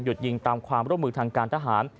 ยิงตามความร่วมมือทางการทหาร